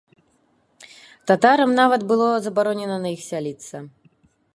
Татарам нават было забаронена на іх сяліцца.